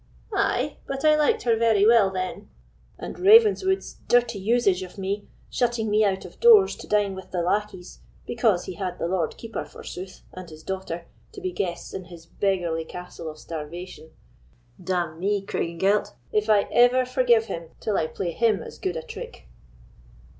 "Ay, but I liked her very well then. And Ravenswood's dirty usage of me—shutting me out of doors to dine with the lackeys, because he had the Lord Keeper, forsooth, and his daughter, to be guests in his beggarly castle of starvation,—d—n me, Craigengelt, if I ever forgive him till I play him as good a trick!"